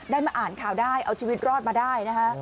มาอ่านข่าวได้เอาชีวิตรอดมาได้นะคะ